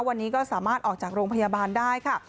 วันนี้ก็สามารถออกจากโรงพยาบาลได้ค่ะ